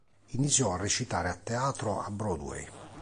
Iniziò a recitare a teatro a Broadway.